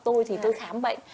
tôi thì tôi khám bệnh